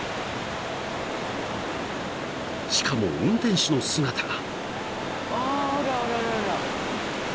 ［しかも運転手の姿が］